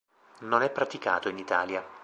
Non è praticato in Italia.